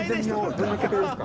どんな曲ですか？